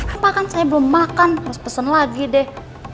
apa kan saya belum makan harus pesen lagi deh